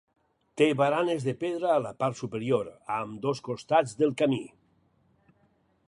Té baranes de pedra a la part superior, a ambdós costats del camí.